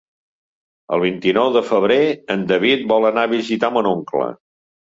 El vint-i-nou de febrer en David vol anar a visitar mon oncle.